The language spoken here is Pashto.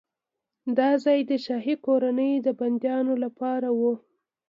دا ځای د شاهي کورنۍ د بندیانو لپاره و.